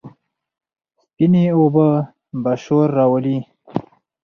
سپينې اوبه به شور راولي،